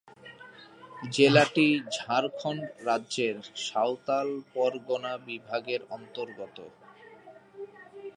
জেলাটি ঝাড়খন্ড রাজ্যের সাঁওতাল পরগনা বিভাগের অন্তর্গত।